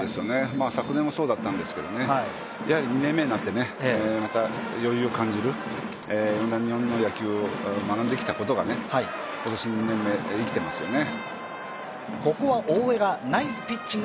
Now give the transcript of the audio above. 昨年もそうだったんですけど、やはり２年目になって余裕を感じる日本の野球を学んできたことが今年２年目、生きてますよね。